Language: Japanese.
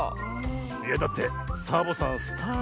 いやだってサボさんスターだぜ。